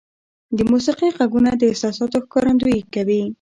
• د موسیقۍ ږغونه د احساساتو ښکارندویي کوي.